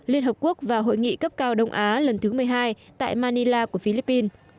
liên hợp quốc và hội nghị cấp cao đông á lần thứ một mươi hai tại manila của philippines